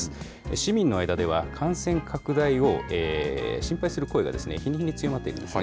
市民の間では、感染拡大を心配する声が日に日に強まっているんですね。